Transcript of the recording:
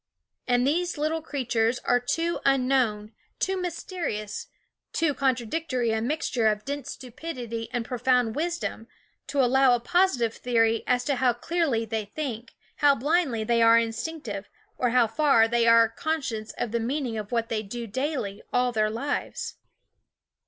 And these little creatures are too unknown, too mysterious, too contra dictory a mixture of dense stupidity and pro found wisdom to allow a positive theory as to how clearly they think, how blindly they are instinctive, or how far they are con scious of the meaning of what they do daily all their lives.